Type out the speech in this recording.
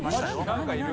何かいる。